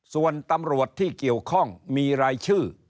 ส่วนตำรวจที่เกี่ยวข้องมีรายชื่อ